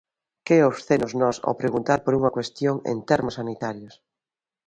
¡Que obscenos nós ao preguntar por unha cuestión en termos sanitarios!